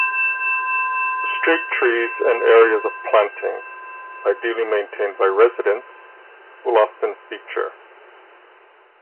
Street trees and areas of planting, ideally maintained by residents, will often feature.